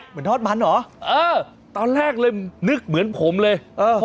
เหมือนทอดมันเหรอเออตอนแรกเลยนึกเหมือนผมเลยเออ